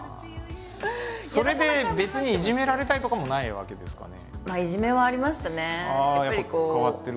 それで別にいじめられたりとかもないわけですかね。